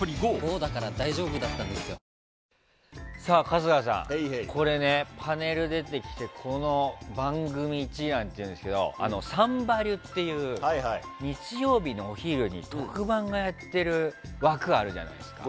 春日さん、これパネル出てきて番組一覧っていうんですけど「サンバリュ」っていう日曜日のお昼に特番がやってる枠あるじゃないですか。